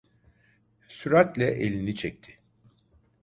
Süratle elini çekti.